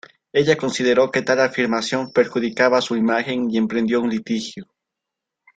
Ella consideró que tal afirmación perjudicaba su imagen y emprendió un litigio.